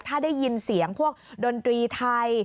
ถ้าได้ยินเสียงพวกดนตรีไทย